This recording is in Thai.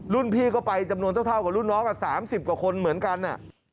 พี่ก็ไปจำนวนเท่ากับรุ่นน้อง๓๐กว่าคนเหมือนกัน